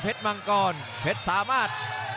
เพชรมังกรเพชรสามารถ